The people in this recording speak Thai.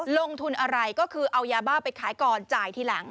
ลงทุนอะไรก็คือเอายาบ้าไปขายก่อนจ่ายทีหลัง